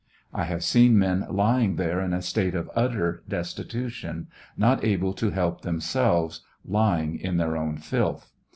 I have seen men lying there in a state of utter destitution, not able to help themselves, lying in their own filth.